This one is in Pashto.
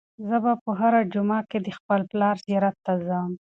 زه به هره جمعه د خپل پلار زیارت ته ځم.